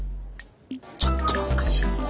ちょっと難しいっすね。